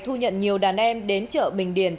thu nhận nhiều đàn em đến chợ bình điền